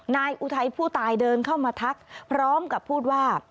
อุทัยผู้ตายเดินเข้ามาทักพร้อมกับพูดว่า